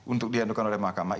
untuk diandalkan oleh mahkamah